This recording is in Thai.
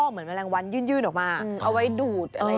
เอาไว้ดูด